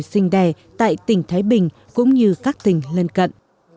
bà hân minh và các tuổi sinh đè tại tỉnh thái bình cũng như các tỉnh lân cận